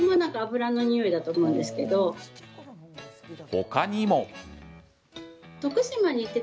他にも。